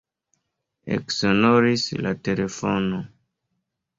Eksonoris la telefono.